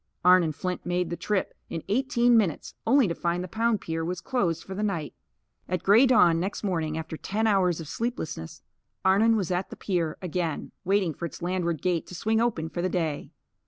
Arnon Flint made the trip in eighteen minutes only to find the pound pier was closed for the night. At grey dawn next morning after ten hours of sleeplessness, Arnon was at the pier again, waiting for its landward gate to swing open for the day.